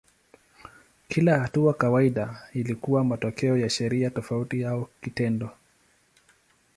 Kila hatua kawaida ilikuwa matokeo ya sheria tofauti au kitendo.